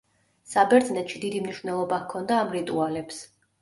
საბერძნეთში დიდი მნიშვნელობა ჰქონდა ამ რიტუალებს.